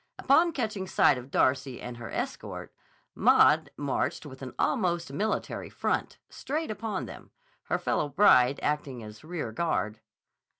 Upon catching sight of Darcy and her escort, Maud marched with an almost military front, straight upon them, her fellow bride acting as rear guard.